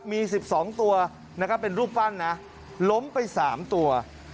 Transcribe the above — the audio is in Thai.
มี๑๒ตัวเป็นลูกฝั่นนะล้มไป๓ตัว